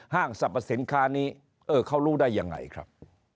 ห้างสรรพสินค้านี้เออเขารู้ได้ยังไงครับ